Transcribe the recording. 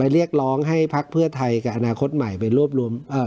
เรียกร้องให้พักเพื่อไทยกับอนาคตใหม่ไปรวบรวมเอ่อ